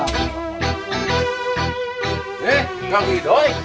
nih kang idoi